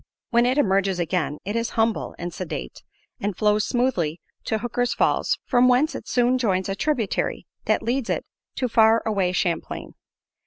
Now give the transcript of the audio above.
When it emerges again it is humble and sedate, and flows smoothly to Hooker's Falls, from whence it soon joins a tributary that leads it to far away Champlain.